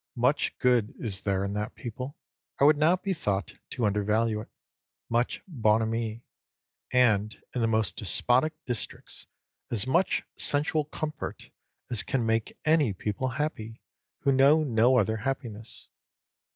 Much good is there in that people I would not be thought to undervalue it much bonhommie and in the most despotic districts, as much sensual comfort as can make any people happy who know no other happiness.